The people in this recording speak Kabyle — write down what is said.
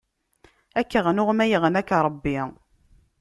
Ad k-ɣnuɣ, ma iɣna-k Ṛebbi.